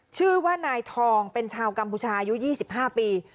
ชื่อว่านายทองเป็นชาวกัมพูชายุ๒๕ปี